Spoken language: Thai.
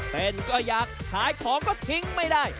ก็อยากขายของก็ทิ้งไม่ได้